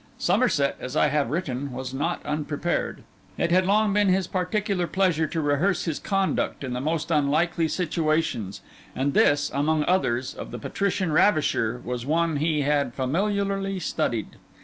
Somerset, as I have written, was not unprepared; it had long been his particular pleasure to rehearse his conduct in the most unlikely situations; and this, among others, of the patrician ravisher, was one he had familiarly studied.